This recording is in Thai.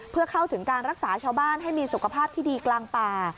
เพื่อเข้าถึงการรักษาชาวบ้านให้มีสุขภาพที่ดีกลางป่า